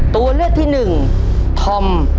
ตัวเลือกที่หนึ่งธอม